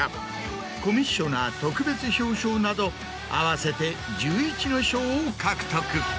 コミッショナー特別表彰など合わせて１１の賞を獲得。